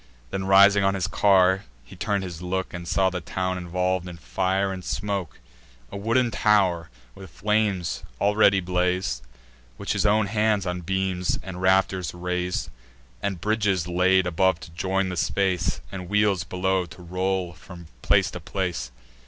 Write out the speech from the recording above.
Then, rising on his car, he turn'd his look, And saw the town involv'd in fire and smoke. A wooden tow'r with flames already blaz'd, Which his own hands on beams and rafters rais'd; And bridges laid above to join the space, And wheels below to roll from place to place.